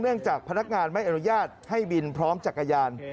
จากพนักงานไม่อนุญาตให้บินพร้อมจักรยาน